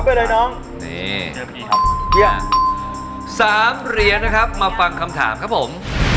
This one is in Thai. เพราะเรียนนะครับมาฟังคำถามครับผม